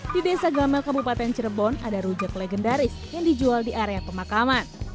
di desa gamel kabupaten cirebon ada rujak legendaris yang dijual di area pemakaman